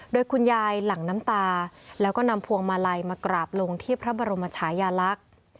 โดยคุณยายหลั่งน้ำตาแล้วก็นำพวงมาลัยมากราบลงที่พระบรมชายาลักษณ์